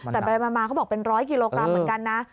แต่ไปมาเขาบอกเป็น๑๐๐กิโลกรัมเหมือนกันนะ